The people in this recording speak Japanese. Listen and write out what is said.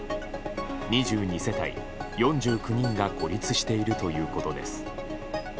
２２世帯４９人が孤立しているということです。